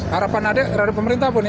harapan adik dari pemerintah pun